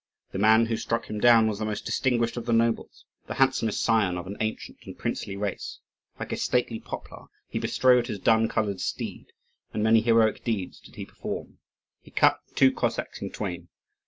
The man who struck him down was the most distinguished of the nobles, the handsomest scion of an ancient and princely race. Like a stately poplar, he bestrode his dun coloured steed, and many heroic deeds did he perform. He cut two Cossacks in twain.